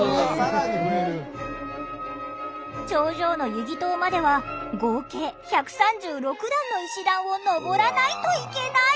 頂上の瑜祗塔までは合計１３６段の石段を上らないといけない。